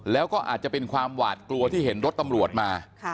แล้วก็อาจจะเป็นความหวาดกลัวที่เห็นรถตำรวจมา